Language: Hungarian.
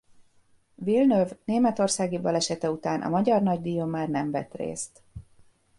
Villeneuve németországi balesete után a magyar nagydíjon már nem vett részt.